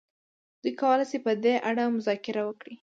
دوی کولای شي په دې اړه مذاکره وکړي.